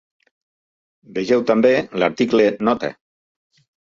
Vegeu també l'article Nota.